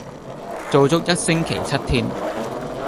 做足一星期七天